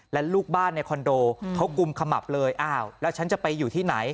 และลูกบ้านในคอนโดเขากุมขมับเลยอ้าวแล้วฉันจะไปอยู่ที่ไหน